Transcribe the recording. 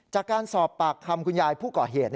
จากการสอบปากคำคุณยายผู้ก่อเหตุ